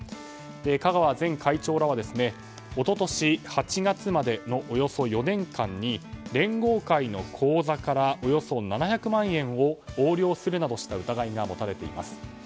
香川前会長らは一昨年８月までのおよそ４年間に連合会の口座からおよそ７００万円を横領するなどした疑いが持たれています。